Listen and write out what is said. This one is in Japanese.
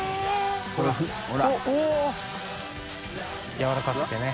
やわらかくてね。